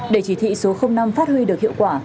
để chỉ thị số năm phát huy được hiệu quả